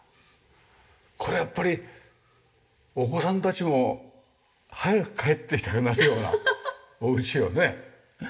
これやっぱりお子さんたちも早く帰ってきたくなるようなお家よね。